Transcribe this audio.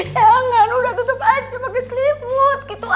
ya enggak udah tutup aja pakai selimut gitu